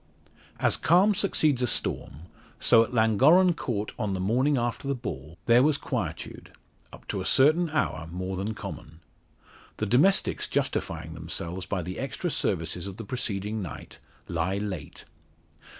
As calm succeeds a storm, so at Llangorren Court on the morning after the ball there was quietude up to a certain hour more than common. The domestics justifying themselves by the extra services of the preceding night, lie late.